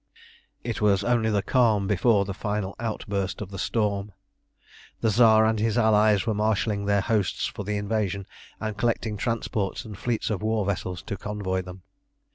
It was only the calm before the final outburst of the storm. The Tsar and his allies were marshalling their hosts for the invasion, and collecting transports and fleets of war vessels to convoy them.